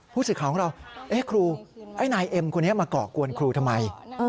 ผู้สื่อข่าวของเราครูไอ้นายเอ็มคนนี้มาก่อกวนครูทำไม